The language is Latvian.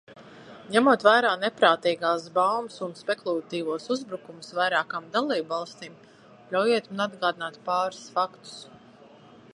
Ņemot vērā neprātīgās baumas un spekulatīvos uzbrukumus vairākām dalībvalstīm, ļaujiet man atgādināt pāris faktus.